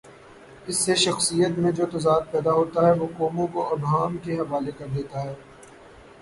اس سے شخصیت میں جو تضاد پیدا ہوتاہے، وہ قوموں کو ابہام کے حوالے کر دیتا ہے۔